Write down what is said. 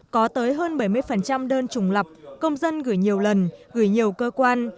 có tới hơn bảy mươi đơn trùng lập công dân gửi nhiều lần gửi nhiều cơ quan